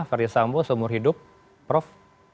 fadil sambu seumur hidup prof